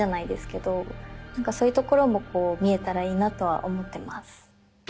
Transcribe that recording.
そういうところも見えたらいいなとは思ってます。